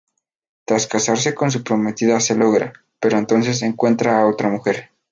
Tras casarse con su prometida lo logra, pero entonces encuentra a otra mujer.